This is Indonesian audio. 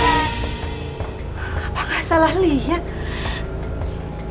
apa gak salah liat